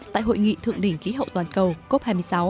tại hội nghị thượng đỉnh khí hậu toàn cầu cop hai mươi sáu